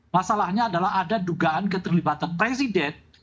masalahnya adalah ada dugaan keterlibatan presiden